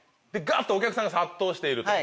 でお客さんが殺到していると。